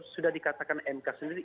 sudah dikatakan mk sendiri